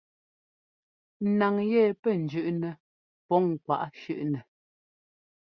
Naŋ yɛ pɛ́ jʉ́ꞌnɛ pɔŋ kwaꞌ shʉ́ꞌnɛ.